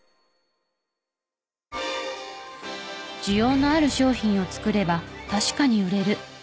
需要のある商品を作れば確かに売れる。